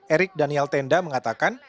erik daniel tenda mengatakan